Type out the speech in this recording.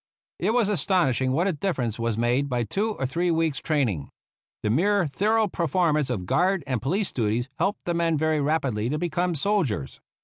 It was astonishing what a difference was made by two or three weeks' training. The mere thorough performance of guard and police duties helped the men very rapidly to become soldiers.